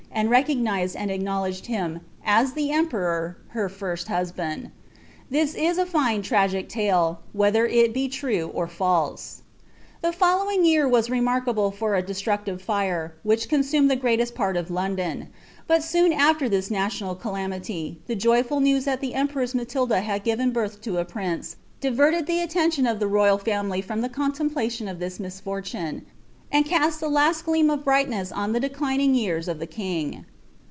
and recognised and acknowledged him, as the emperor, her first husband. This is a fine tragic tale, whether it be true or false. The following year was remarkable for a destructive fire, which con sumed the greatest part of London '* but soon after this national calamity, the joyful news that the empress Matilda had given birth to a prince,^ diverted the attention of the royal family from the contemplation of this misfortune, and cast the last gleam of brightness on the declining yean of the king.